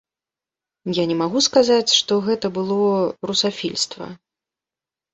Я не магу сказаць, што гэта было русафільства.